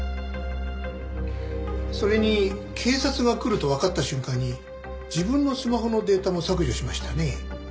それに警察が来るとわかった瞬間に自分のスマホのデータも削除しましたよね？